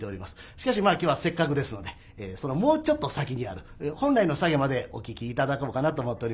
しかしまあ今日はせっかくですのでそのもうちょっと先にある本来のサゲまでお聴き頂こうかなと思っとります。